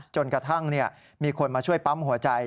จนกระทั่งมีคนมาช่วยปั๊มหัวใจ